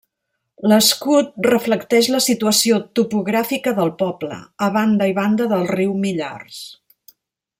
L'escut reflecteix la situació topogràfica del poble, a banda i banda del riu Millars.